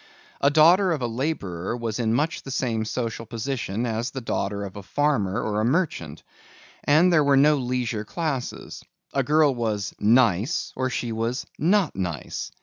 A daughter of a laborer was in much the same social position as a daughter of a farmer or a merchant, and there were no leisure classes. A girl was "nice" or she was "not nice."